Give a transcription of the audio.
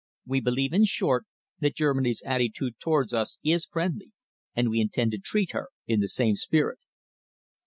We believe, in short, that Germany's attitude towards us is friendly, and we intend to treat her in the same spirit."